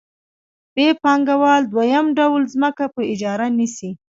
ب پانګوال دویم ډول ځمکه په اجاره نیسي